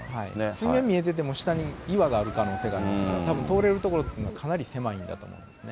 水面見えてても、下に岩がある可能性がありますので、たぶん通れる所はかなり狭いんだと思うんですね。